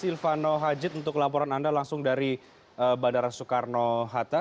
silvano hajid untuk laporan anda langsung dari bandara soekarno hatta